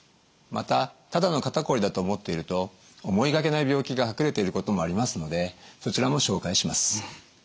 またただの肩こりだと思っていると思いがけない病気が隠れていることもありますのでそちらも紹介します。